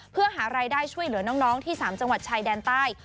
เพื่อหารายได้ช่วยเหลือน้องที่๓จังหวัดชายแดนใต้